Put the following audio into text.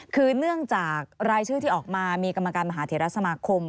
คือเนื่องจากรายชื่อที่ออกมามีกรรมการมหาเทรสมาคม